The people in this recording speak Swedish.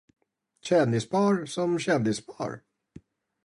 Kändispar som kändispar.